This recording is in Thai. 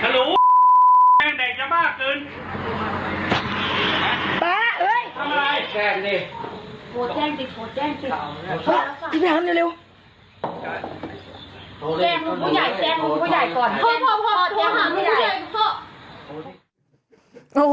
จัดกระบวนพร้อมกัน